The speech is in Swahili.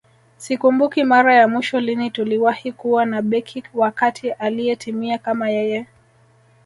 Sikumbuki mara ya mwisho lini tuliwahi kuwa na beki wa kati aliyetimia kama yeye